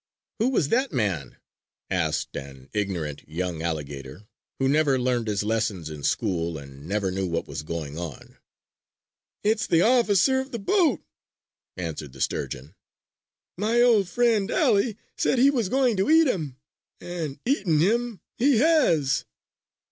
"Who was that man?" asked an ignorant young alligator, who never learned his lessons in school and never knew what was going on. "It's the officer of the boat," answered the Sturgeon. "My old friend, Ally, said he was going to eat him, and eaten him he has!"